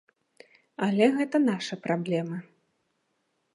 Але гэта нашы праблемы.